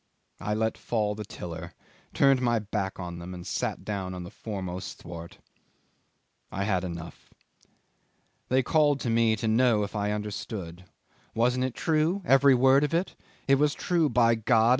I let fall the tiller, turned my back on them, and sat down on the foremost thwart. I had enough. They called to me to know if I understood wasn't it true, every word of it? It was true, by God!